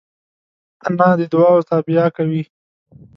انا د دعاوو تابیا کوي